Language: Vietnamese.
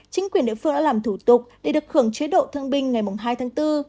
chính quyền địa phương đã làm thủ tục để được hưởng chế độ thương binh ngày hai tháng bốn